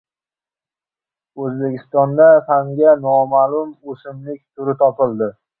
O‘zbekistonda fanga noma’lum o‘simlik turi topildi